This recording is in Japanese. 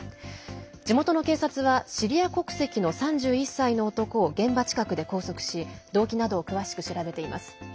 地元の警察は、シリア国籍の３１歳の男を現場近くで拘束し動機などを詳しく調べています。